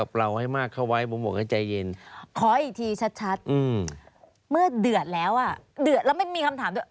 เพราะด่ายอยู่ในรถ